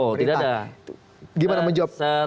oh tidak ada gimana menjawab